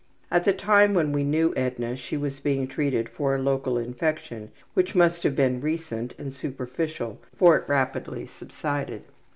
At the time when we knew Edna she was being treated for a local infection which must have been recent and superficial, for it rapidly subsided.